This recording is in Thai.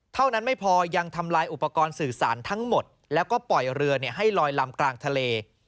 เท่านั้นไม่พอยังทำลายอุปกรณ์สื่อสารทั้งหมดแล้วก็ปล่อยเรือให้ลอยลำกลางทะเล